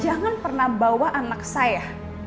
jangan pernah bawa anak saya